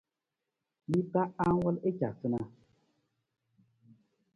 Mi ta anang wal i caasunaa?